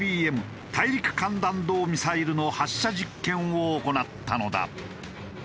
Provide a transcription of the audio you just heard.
大陸間弾道ミサイルの発射実験を行ったのだ。